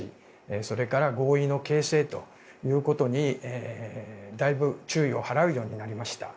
それから合意の形成ということにだいぶ注意を払うようになりました。